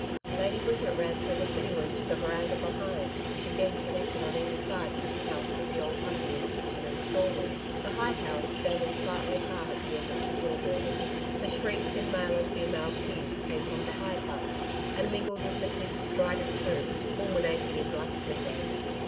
Lady Bridget ran through the sitting room to the veranda behind, which again connected on either side the new house with the Old Humpey and kitchen and store wing the hide house standing slightly apart at the end of the store building. The shrieks in male and female keys came from the hide house and mingled with McKeith's strident tones fulminating in Blacks' lingo.